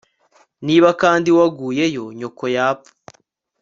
niba kandi waguyeyo nyoko yapfa! ..